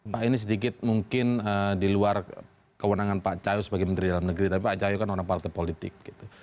pak ini sedikit mungkin di luar kewenangan pak cahyo sebagai menteri dalam negeri tapi pak cahyo kan orang partai politik gitu